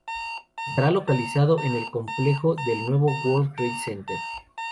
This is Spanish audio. Estará localizado en el complejo del nuevo World Trade Center.